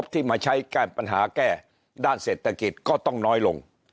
ที่มาใช้แก้ปัญหาแก้ด้านเศรษฐกิจก็ต้องน้อยลง